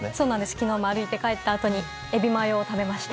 昨日も歩いて帰ったあとにエビマヨを食べました。